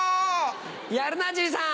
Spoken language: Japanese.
やるなじいさん。